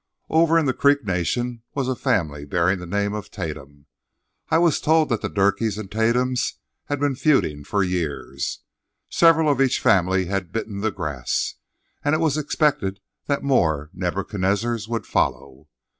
Over in the Creek Nation was a family bearing the name of Tatum. I was told that the Durkees and Tatums had been feuding for years. Several of each family had bitten the grass, and it was expected that more Nebuchadnezzars would follow.